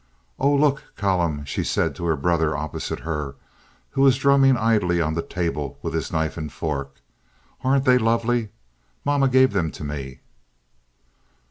"Oh, look, Callum," she said to her brother opposite her, who was drumming idly on the table with his knife and fork. "Aren't they lovely? Mama gave them to me."